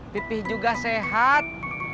pipih juga sehat